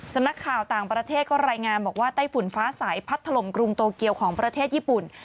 สำนักข่าวต่างประเทศก็รายงานบอกว่าไต้ฝุ่นฟ้าสายพัดถล่มกรุงโตเกียวของประเทศญี่ปุ่น